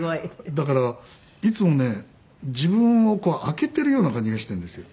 だからいつもね自分を開けてるような感じがしてるんですよ。